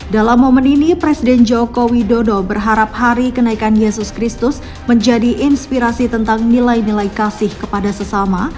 dalam momen ini presiden joko widodo berharap hari kenaikan yesus kristus menjadi inspirasi tentang nilai nilai kasih kepada sesama